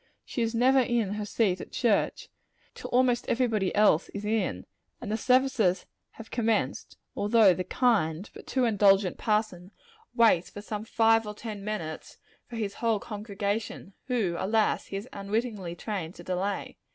She is never in her seat at church, till almost every body else is in, and the services have commenced; although the kind, but too indulgent parson waits some five or ten minutes for his whole congregation whom, alas! he has unwittingly trained to delay.